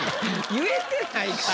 言えてないから。